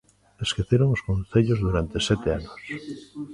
Esqueceron os concellos durante sete anos.